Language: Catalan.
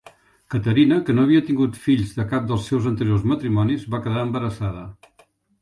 Caterina, que no havia tingut fills de cap dels seus anteriors matrimonis, va quedar embarassada.